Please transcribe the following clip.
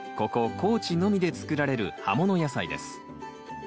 高知のみで作られる葉物野菜です。